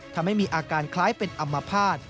ทำให้มีอาการคล้ายเป็นอัมพาต